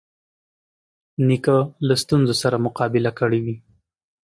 نیکه له ستونزو سره مقابله کړې وي.